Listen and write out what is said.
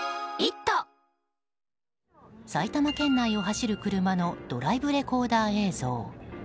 埼玉県内を走る車のドライブレコーダー映像。